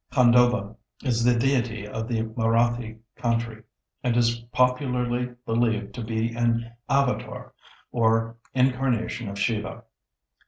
Khandoba is the deity of the Marathi country and is popularly believed to be an avator, or incarnation of Shiva.